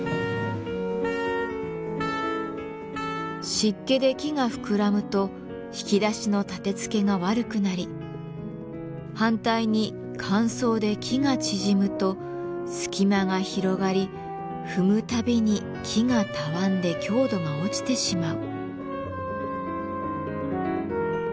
湿気で木が膨らむと引き出しの立てつけが悪くなり反対に乾燥で木が縮むと隙間が広がり踏むたびに木がたわんで強度が落ちてしまう。